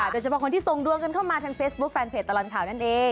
โดยเฉพาะคนที่ส่งดวงกันเข้ามาทางเฟซบุ๊คแฟนเพจตลอดข่าวนั่นเอง